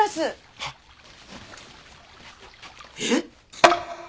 はっ！えっ！？